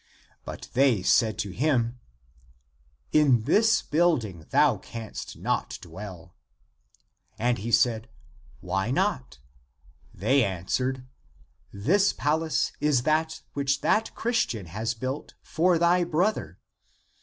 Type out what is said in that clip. But they said to him, " In this building thou canst not dwell." And he said, " Why not ?" They an swered, " This palace is that which that Christian has built for thy brother."